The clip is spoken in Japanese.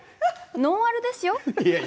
ノンアルですよ。